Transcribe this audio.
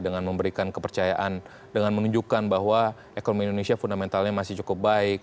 dengan memberikan kepercayaan dengan menunjukkan bahwa ekonomi indonesia fundamentalnya masih cukup baik